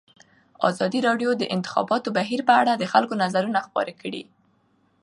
ازادي راډیو د د انتخاباتو بهیر په اړه د خلکو نظرونه خپاره کړي.